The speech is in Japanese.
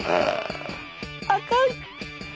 赤い！